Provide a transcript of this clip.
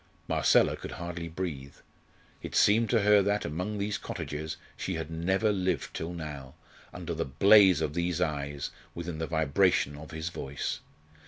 Marcella could hardly breathe. It seemed to her that, among these cottagers, she had never lived till now under the blaze of these eyes within the vibration of this voice.